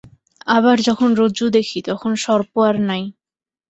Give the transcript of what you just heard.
আবার যখন রজ্জু দেখি, তখন সর্প আর নাই।